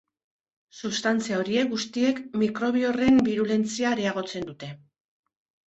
Sustantzia horiek guztiek mikrobio horren birulentzia areagotzen dute.